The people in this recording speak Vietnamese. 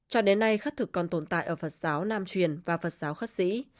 cho đến nay khất thực còn tồn tại ở phật giáo nam truyền và phật giáo khất sĩ